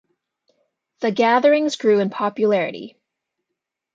The gatherings grew in popularity.